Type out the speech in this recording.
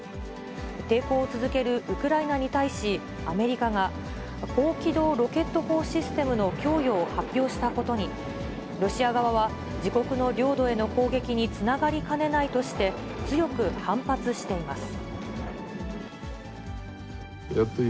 抵抗を続けるウクライナに対し、アメリカが、高機動ロケット砲システムの供与を発表したことに、ロシア側は、自国の領土への攻撃につながりかねないとして、強く反発しています。